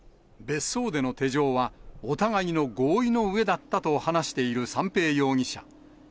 別荘での手錠は、お互いの合意のうえだったと話している三瓶容疑者。